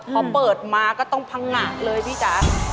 พอเปิดมาก็ต้องพังงะเลยพี่จ๋า